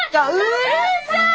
うるさい！